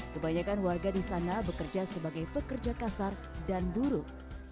kebanyakan warga di sana bekerja sebagai pekerja kasar dan buruh